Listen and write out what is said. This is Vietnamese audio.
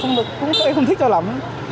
em cũng không thích cho lắm